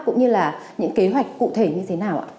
cũng như là những kế hoạch cụ thể như thế nào ạ